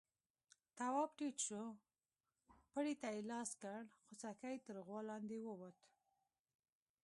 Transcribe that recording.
تواب ټيټ شو، پړي ته يې لاس کړ، خوسکی تر غوا لاندې ووت.